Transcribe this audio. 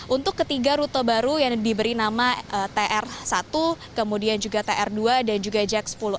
untuk ketiga rute baru yang diberi nama tr satu kemudian juga tr dua dan juga jack sepuluh